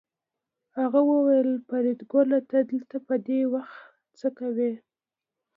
هغه وویل فریدګله ته دلته په دې وخت څه کوې